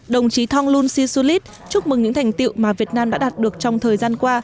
đồng chí thonglun sisulit chúc mừng những thành tiệu mà việt nam đã đạt được trong thời gian qua